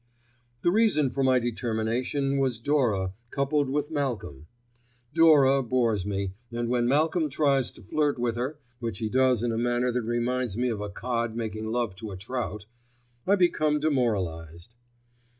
The reason for my determination was Dora coupled with Malcolm. Dora bores me, and when Malcolm tries to flirt with her, which he does in a manner that reminds me of a cod making love to a trout, I become demoralised.